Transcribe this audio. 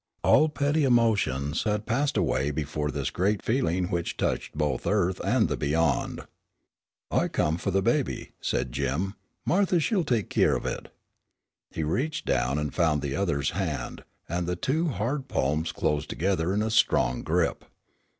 All petty emotions had passed away before this great feeling which touched both earth and the beyond. "I come fu' the baby," said Jim. "Marthy, she'll take keer of it." He reached down and found the other's hand, and the two hard palms closed together in a strong grip.